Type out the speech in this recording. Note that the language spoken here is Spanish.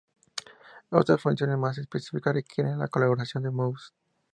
Otras funciones más específicas requieren la colaboración del mouse.